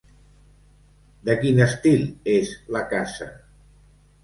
De quin estil és la casa?